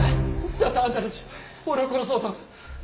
だってあんたたち俺を殺そうと。